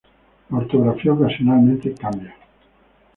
La ortografía ocasionalmente cambia.